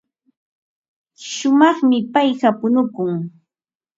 Shumaqmi payqa punukun.